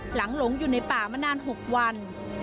หลงอยู่ในป่ามานาน๖วัน